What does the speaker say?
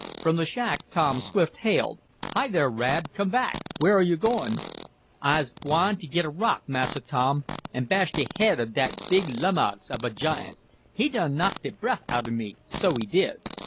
From the shack Tom Swift hailed: "Hi there, Rad! Come back! Where are you going?" "I'se gwine t' git a rock, Massa Tom, an' bash de haid ob dat big lummox ob a giant! He done knocked de breff outen me, so he did."